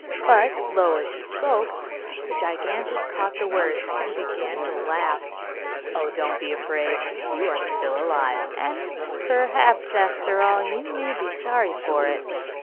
But, low as she spoke, the giantess caught the words, and began to laugh. 'Oh, don't be afraid; you are still alive, and perhaps, after all, you may be sorry for it.